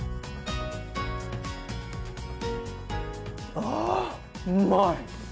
ああうまい！